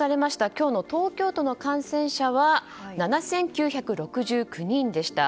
今日の東京都の感染者は７９６９人でした。